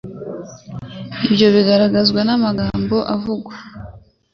Ibyo bigaragazwa n'amagambo avugwa